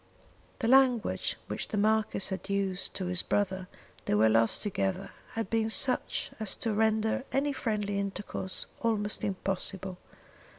The language which the Marquis had used to his brother when they were last together had been such as to render any friendly intercourse almost impossible.